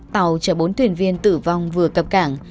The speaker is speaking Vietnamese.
tàu chở bốn thuyền viên tử vong vừa cập cảng